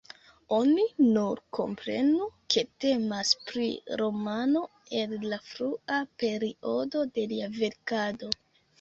Oni nur komprenu, ke temas pri romano el la frua periodo de lia verkado.